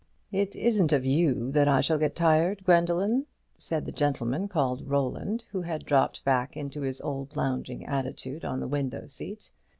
'" "It isn't of you that I shall get tired, Gwendoline," said the gentleman called Roland, who had dropped back into his old lounging attitude on the window seat.